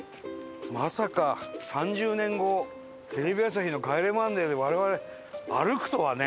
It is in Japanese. まさか３０年後テレビ朝日の『帰れマンデー』で我々歩くとはね！